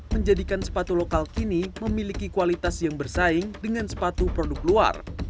menjadikan sepatu lokal kini memiliki kualitas yang bersaing dengan sepatu produk luar